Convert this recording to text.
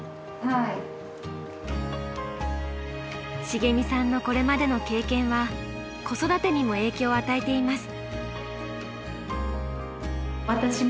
しげみさんのこれまでの経験は子育てにも影響を与えています。